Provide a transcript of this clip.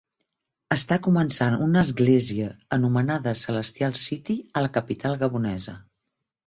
Està començant una església anomenada Celestial City a la capital gabonesa.